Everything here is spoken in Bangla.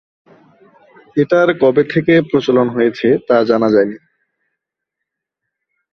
এটার কবে থেকে প্রচলন হয়েছে তা জানা যায়নি।